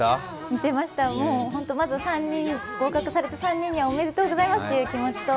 見てました、まず合格された３人にはおめでとうございますという気持ちと